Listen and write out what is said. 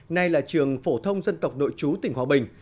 nay là trường phổ thông dân tộc nội chú tỉnh hòa bình